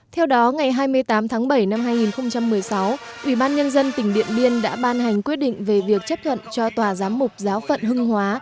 theo đó ngày hai mươi tám tháng bảy năm hai nghìn một mươi sáu ubnd tỉnh điện biên đã ban hành quyết định về việc chấp thuận cho tòa giám mục giáo phận hưng hóa